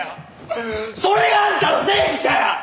それがあんたの正義かよ！